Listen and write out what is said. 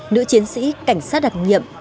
nữ chiến sĩ cảnh sát đặc nhiệm